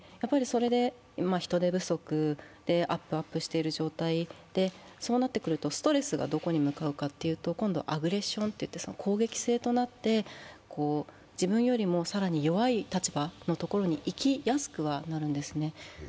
人手不足であっぷあっぷしている状態でそうなってくると、ストレスがどこに向かうかというと、今度、アグレッションといって攻撃性となって自分よりも更に弱い立場のところにいきやすくはあるんですね。